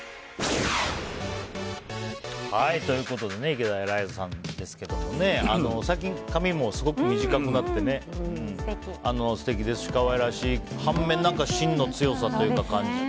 池田エライザさんですけども最近髪もすごく短くなって素敵ですし可愛らしい半面芯の強さを感じて。